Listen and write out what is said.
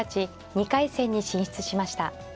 ２回戦に進出しました。